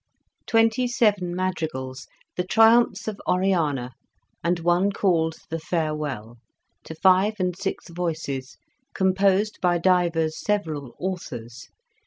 Twenty seven Madrigals The Triumphs of Oriana And one called The Farewell To five and six voices Composed by divers several authors.